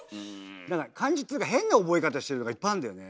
何か漢字っつか変な覚え方してるのがいっぱいあんだよね。